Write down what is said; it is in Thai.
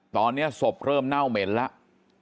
ตอนนี้ศพเริ่มเน่าเหม็นแล้ว